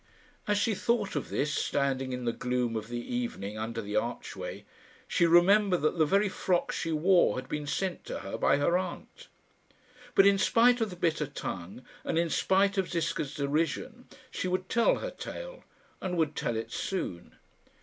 As she thought of this, standing in the gloom of the evening under the archway, she remembered that the very frock she wore had been sent to her by her aunt. But I in spite of the bitter tongue, and in spite of Ziska's derision, she would tell her tale, and would tell it soon.